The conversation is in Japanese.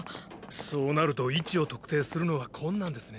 そうなると位置を特定するのは困難ですね。